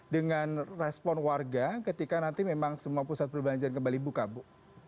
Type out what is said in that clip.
dengan respon warga ketika nanti memang semua pusat perbelanjaan kembali buka bu